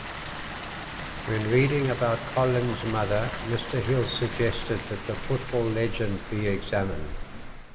When reading about Colin's mother, Mr Hill suggested that the football legend be examined.